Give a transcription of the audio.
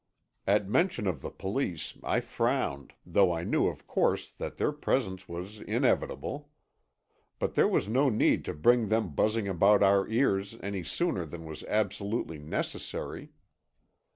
At mention of the police I frowned though I knew of course that their presence was inevitable. But there was no need to bring them buzzing about our ears any sooner than was absolutely necessary.